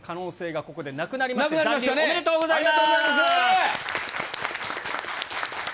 ありがとうございます！